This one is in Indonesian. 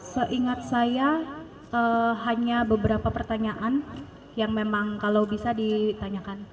seingat saya hanya beberapa pertanyaan yang memang kalau bisa ditanyakan